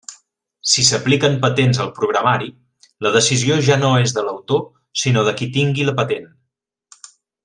Si s'apliquen patents al programari, la decisió ja no és de l'autor, sinó de qui tingui la patent.